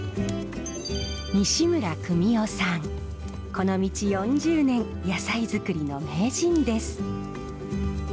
この道４０年野菜作りの名人です。